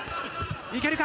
いけるか。